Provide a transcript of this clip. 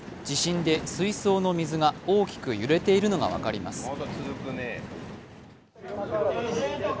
地震で水槽の水が大きく揺れているのがわかります。